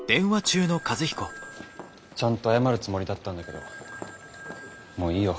ちゃんと謝るつもりだったんだけどもういいよ。